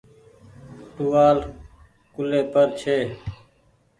ٽووآل ڪولي پر ڇي۔